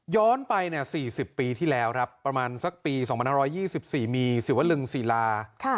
ย้อนไป๔๐ปีที่แล้วประมาณสักปี๒๑๒๔มีศิวรึงศิลา